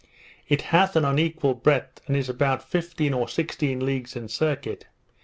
It hath an unequal breadth, and is about fifteen or sixteen leagues in circuit.